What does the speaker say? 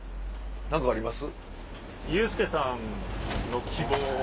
何かあります？